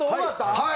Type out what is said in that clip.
はい！